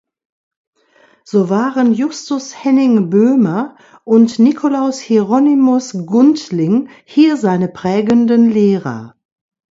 So waren Justus Henning Böhmer und Nikolaus Hieronymus Gundling hier seine prägenden Lehrer.